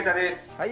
はい。